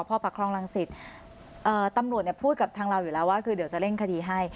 ปคลรางสิตตำรวจกล้าพูดกับทางเราอยู่แล้วว่าเดี๋ยวจะเล่นคติให้